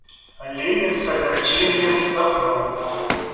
Левин с огорчением вздохнул.